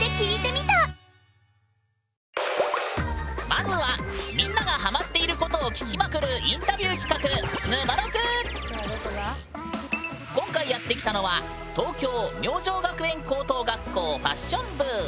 まずはみんながハマっていることを聞きまくるインタビュー企画今回やって来たのは明星学園。